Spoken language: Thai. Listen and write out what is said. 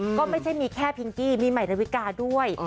ก็ไม่ใช่มีแค่พิงกี้มีใหม่ดาวิกาด้วย